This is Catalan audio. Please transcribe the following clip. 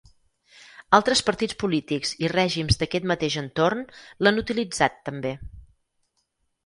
Altres partits polítics i règims d'aquest mateix entorn l'han utilitzat també.